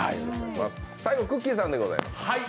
最後くっきー！さんでございます。